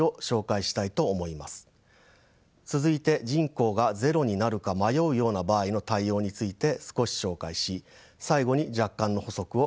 続いて人口がゼロになるか迷うような場合の対応について少し紹介し最後に若干の補足を加えます。